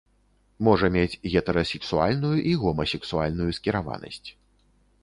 Можа мець гетэрасексуальную і гомасексуальную скіраванасць.